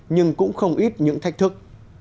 nhưng cũng không ít những thách thức